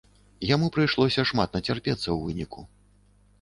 Яму прыйшлося шмат нацярпецца ў выніку.